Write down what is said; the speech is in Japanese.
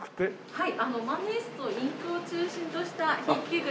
はい。